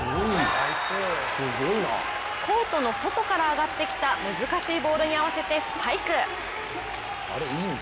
コートの外から上がってきた難しいボールに合わせてスパイク。